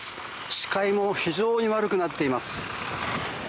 視界も非常に悪くなっています。